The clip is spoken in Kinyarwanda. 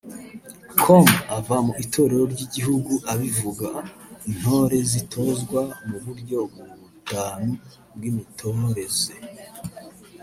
com ava mu itorero ry'iguhugu abivuga intore zitozwa mu buryo butanu bw'imitoreze